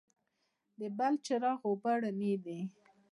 د بلچراغ اوبه رڼې دي